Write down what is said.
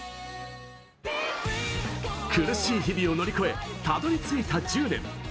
苦しい日々を乗り越えたどり着いた１０年。